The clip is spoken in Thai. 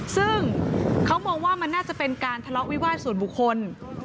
ซึ่งเขามองว่ามันน่าจะเป็นการทะเลาะวิวาสส่วนบุคคล